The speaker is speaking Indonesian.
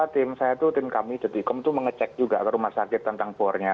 tim saya itu tim kami detikom itu mengecek juga ke rumah sakit tentang bornya